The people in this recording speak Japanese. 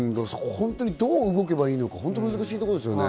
どう動けばいいのか本当に難しいところですよね。